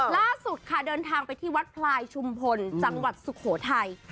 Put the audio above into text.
ล่าสุดค่ะเดินทางไปที่วัดพลายชุมพลจังหวัดสุโขทัย